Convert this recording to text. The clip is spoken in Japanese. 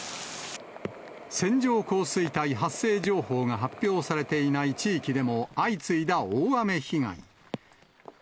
線状降水帯発生情報が発表されていない地域でも相次いだ大雨被害。